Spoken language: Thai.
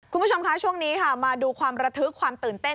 คุณผู้ชมคะช่วงนี้ค่ะมาดูความระทึกความตื่นเต้น